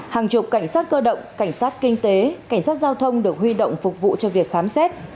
hàng chục cảnh sát cơ động cảnh sát kinh tế cảnh sát giao thông được huy động phục vụ cho việc khám xét